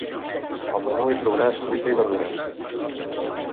Al menú hi trobaràs fruita i verdura.